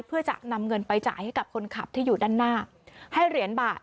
เพื่อจะนำเงินไปจ่ายให้กับคนขับที่อยู่ด้านหน้าให้เหรียญบาท